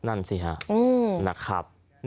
นั่นสิฮะนะครับ